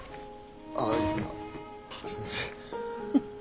ああいやすいません。